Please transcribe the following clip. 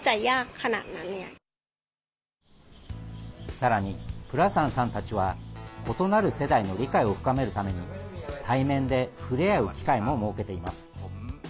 さらにプラサンさんたちは異なる世代の理解を深めるために対面で触れ合う機会も設けています。